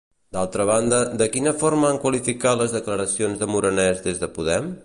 D'altra banda, de quina forma han qualificat les declaracions de Morenés des de Podem?